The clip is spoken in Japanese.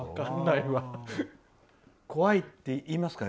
こわいって言いますか？